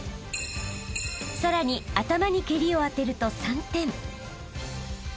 ［さらに頭に蹴りを当てると３点］